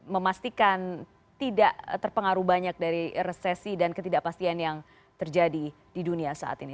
memastikan tidak terpengaruh banyak dari resesi dan ketidakpastian yang terjadi di dunia saat ini